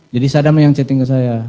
jadi saddam yang chatting ke saya